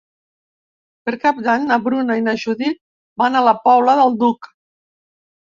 Per Cap d'Any na Bruna i na Judit van a la Pobla del Duc.